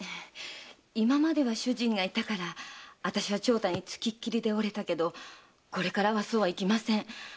今までは主人がいたから私は長太につきっきりでおれたけどこれからはそうはいきません。